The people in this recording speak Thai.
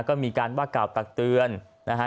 ก็มีการว่ากล่าวตักเตือนนะฮะ